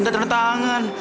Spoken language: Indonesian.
ntar ternyata tangan